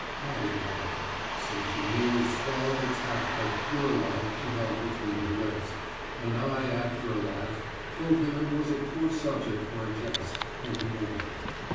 Hattie laughed, so she nearly swallowed the tack that, girl like, she held between her lips, and I after a laugh, told him it was a poor subject for a jest, and we went in.